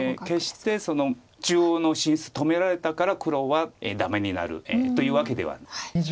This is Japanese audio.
決して中央の進出止められたから黒はダメになるというわけではない。